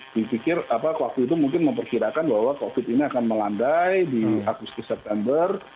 dipikir waktu itu mungkin memperkirakan bahwa covid ini akan melandai di agustus september